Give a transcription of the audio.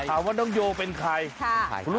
ถามว่าน้องโยวเป็นใคร